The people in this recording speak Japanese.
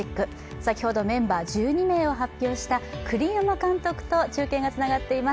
先ほど、メンバー１２名を発表した栗山監督と中継がつながっています。